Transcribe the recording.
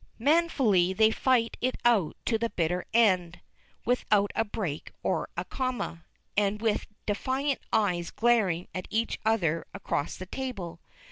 Manfully they fight it out to the bitter end, without a break or a comma, and with defiant eyes glaring at each other across the table.